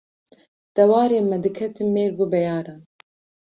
Dewarên me diketin mêrg û beyaran